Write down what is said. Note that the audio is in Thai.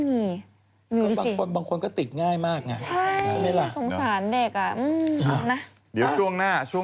มีอยู่แล้วยังไงพี่มดก็มีเนี่ยตรงรอยแสน